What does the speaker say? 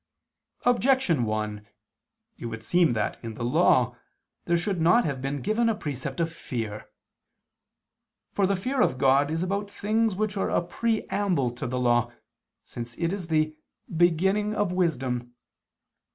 Objection 1: It would seem that, in the Law, there should not have been given a precept of fear. For the fear of God is about things which are a preamble to the Law, since it is the "beginning of wisdom."